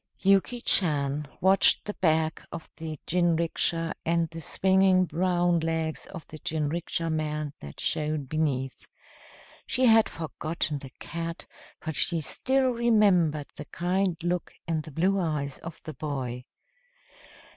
Yuki Chan watched the back of the jinrikisha and the swinging brown legs of the jinrikisha man that showed beneath. She had forgotten the cat, but she still remembered the kind look in the blue eyes of the boy.